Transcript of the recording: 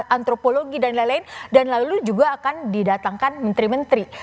antropologi dan lain lain dan lalu juga akan didatangkan menteri menteri